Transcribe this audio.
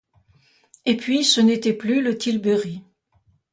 Et puis, ce n’était plus le tilbury.